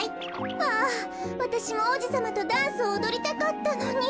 あぁわたしもおうじさまとダンスをおどりたかったのに。